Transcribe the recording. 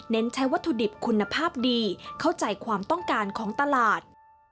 ใช้วัตถุดิบคุณภาพดีเข้าใจความต้องการของตลาด